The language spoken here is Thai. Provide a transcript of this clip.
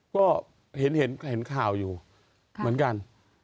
ก็เห็นข่าวอยู่เหมือนกัน